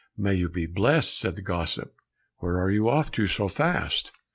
"May you be blessed," said the gossip, "where are you off to so fast?"